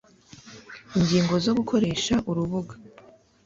Ingingo zo gukoresha urubuga